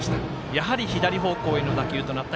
やはり、左方向への打球となった